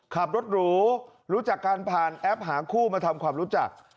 ขับรถหรูรู้จักกันผ่านแอปหาคู่มาทำความรู้จัก